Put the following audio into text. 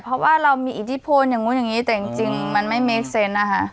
เพราะว่าเรามีอิทธิพลอย่างนู้นอย่างนี้แต่จริงมันไม่เมคเซนต์นะคะ